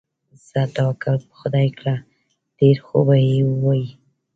ځه توکل په خدای کړه، ډېر خوبه یې ووایې.